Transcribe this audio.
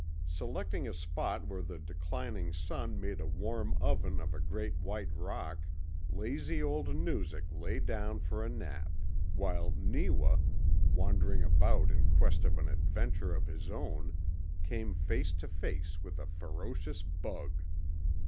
Selecting a spot where the declining sun made a warm oven of a great white rock, lazy old Noozak lay down for a nap, while Neewa, wandering about in quest of an adventure of his own, came face to face with a ferocious bug.